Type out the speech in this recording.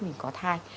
mình có thai